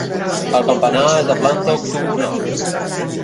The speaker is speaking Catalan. El campanar és de planta octogonal.